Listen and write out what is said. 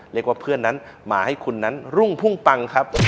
เรียกว่าเพื่อนนั้นมาให้คุณนั้นรุ่งพุ่งปังครับ